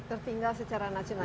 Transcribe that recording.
tertinggal secara nasional